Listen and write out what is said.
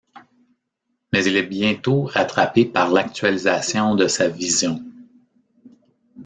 Mais il est bientôt rattrapé par l'actualisation de sa vision.